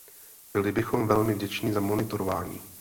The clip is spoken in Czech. Byli bychom velmi vděčni za monitorování.